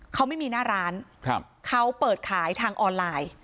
เขาไม่มีหน้าร้านเขาเปิดขายทางออนไลน์